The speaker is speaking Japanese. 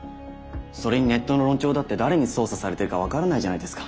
それにネットの論調だって誰に操作されてるか分からないじゃないですか。